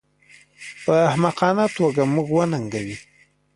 په احمقانه توګه موږ وننګوي